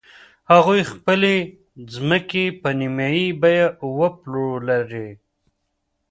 هغوی خپلې ځمکې په نیمايي بیه وپلورلې.